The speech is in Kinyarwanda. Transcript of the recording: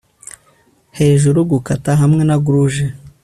hejuru, gukata hamwe na grouge